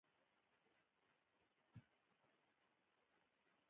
د افغانستان طبیعت له بادامو څخه جوړ شوی دی.